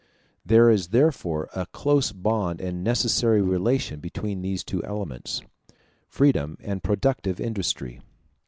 There is therefore a close bond and necessary relation between these two elements freedom and productive industry.